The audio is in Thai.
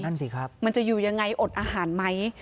นั่นสิครับมันจะอยู่อย่างไรอดอาหารไหม